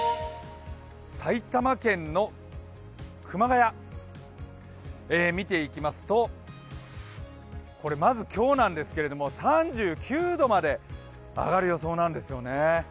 埼玉県の熊谷、見ていきますと、まず今日なんですけども、３９度まで上がる予想なんですよね。